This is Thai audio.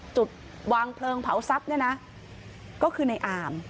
จุดวางเพลิงเผาทรัพย์เนี่ยนะก็คือในอาม